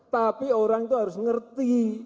tapi orang itu harus ngerti